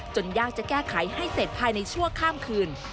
ยากจะแก้ไขให้เสร็จภายในชั่วข้ามคืน